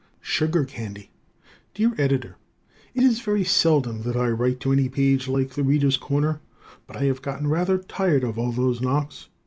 Sugar Candy Dear Editor: It is very seldom that I write to any page like "The Readers' Corner" but I have gotten rather tired of all those knocks.